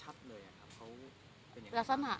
ชัดเลยอะเขาเป็นยังไงคะ